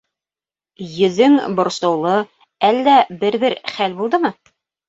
Йөҙөң борсолоулы, әллә бер-бер хәл булдымы?